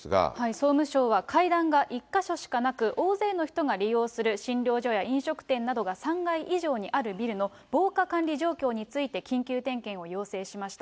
総務省は、階段が１か所しかなく、大勢の人が利用する診療所や飲食店などが３階以上にあるビルの、防火管理状況について緊急点検を要請しました。